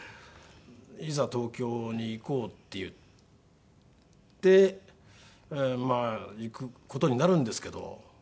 いざ東京に行こうっていってまあ行く事になるんですけど。